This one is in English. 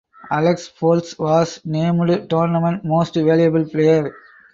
Alex Foltz was named Tournament Most Valuable Player.